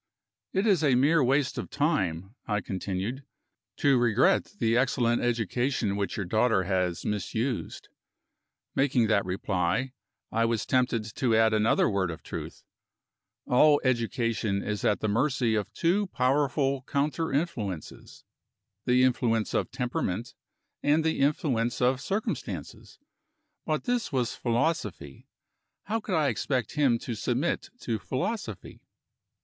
"It is mere waste of time," I continued, "to regret the excellent education which your daughter has misused." Making that reply, I was tempted to add another word of truth. All education is at the mercy of two powerful counter influences: the influence of temperament, and the influence of circumstances. But this was philosophy. How could I expect him to submit to philosophy?